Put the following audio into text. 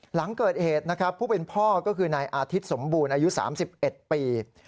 หลังเกิดเหตุนะครับผู้เป็นพ่อก็คือนายอาทิตย์สมบูรณ์อายุ๓๑ปี